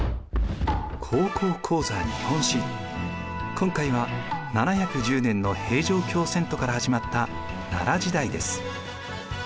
今回は７１０年の平城京遷都から始まった奈良時代です。